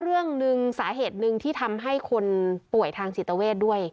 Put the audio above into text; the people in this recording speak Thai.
เรื่องหนึ่งสาเหตุหนึ่งที่ทำให้คนป่วยทางจิตเวทด้วย